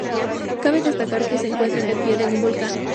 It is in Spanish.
Cabe destacar que se encuentra en el pie de un volcán.